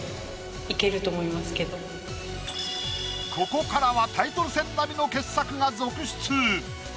ここからはタイトル戦並みの傑作が続出！